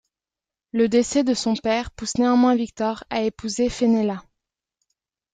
Le décès de son père pousse néanmoins Victor à épouser Fenella.